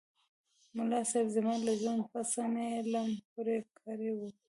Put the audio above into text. ملاصاحب! زما له ژوندي پسه نه یې لم پرې کړی و.